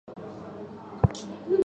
但后来少说了